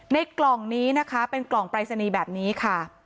กล่องนี้นะคะเป็นกล่องปรายศนีย์แบบนี้ค่ะ